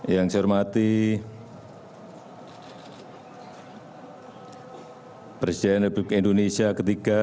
yang saya hormati presiden republik indonesia ke tiga